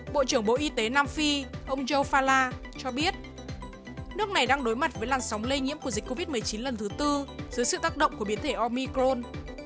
bộ trưởng bộ y tế nam phi ông jo fala cho biết nước này đang đối mặt với làn sóng lây nhiễm của dịch covid một mươi chín lần thứ tư dưới sự tác động của biến thể omicron